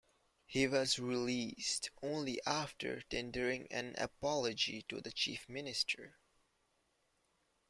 He was released only after tendering an apology to the Chief Minister.